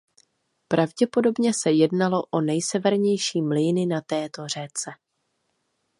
Pravděpodobně se jednalo o nejsevernější mlýny na této řece.